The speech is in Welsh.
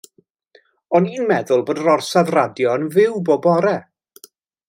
O'n i'n meddwl bod yr orsaf radio yn fyw bob bore?